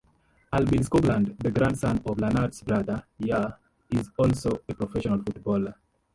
Albin Skoglund, the grand son of Lennart's brother "Ya", is also a professional footballer.